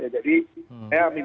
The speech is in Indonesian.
jadi saya minta